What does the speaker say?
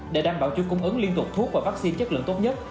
để đảm bảo chuỗi cung ứng liên tục thuốc và vaccine chất lượng tốt nhất